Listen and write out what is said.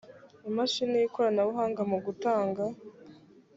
imashini y ikoranabuhanga mu gutanga